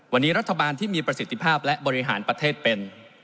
วันนี้รัฐบาลที่มีประสิทธิภาพและบริหารประเทศเป็น